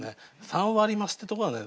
「三割増し」ってとこがね